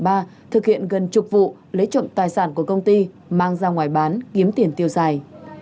các đối tượng đã khai nhận gần chục vụ lấy trộm tài sản của công ty mang ra ngoài bán kiếm tiền tiêu giày